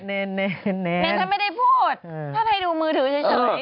เน้นฉันไม่ได้พูด